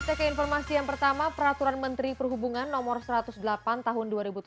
kita ke informasi yang pertama peraturan menteri perhubungan no satu ratus delapan tahun dua ribu tujuh belas